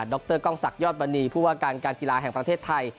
ดรก้องศักย์ยอดบรรณีผู้ประการการกีฬาแห่งประเทศไทย